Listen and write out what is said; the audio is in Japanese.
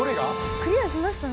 クリアしましたね。